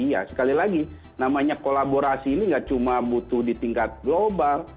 iya sekali lagi namanya kolaborasi ini nggak cuma butuh di tingkat global